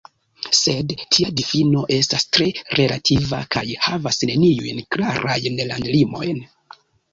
Sed tia difino estas tre relativa, kaj havas neniujn klarajn landlimojn.